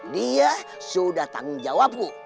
dia sudah tanggung jawab bu